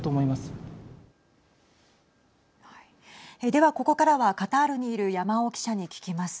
では、ここからはカタールにいる山尾記者に聞きます。